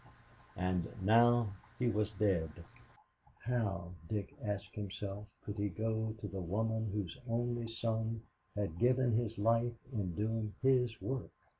And now he was dead. How, Dick asked himself, could he go to the woman whose only son had given his life in doing his work?